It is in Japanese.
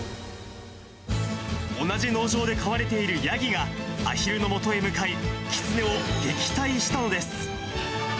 同じ農場で飼われているヤギが、アヒルのもとへ向かい、キツネを撃退したのです。